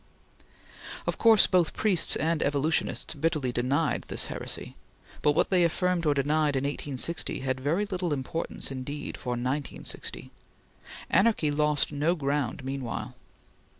Of course both priests and evolutionists bitterly denied this heresy, but what they affirmed or denied in 1860 had very little importance indeed for 1960. Anarchy lost no ground meanwhile.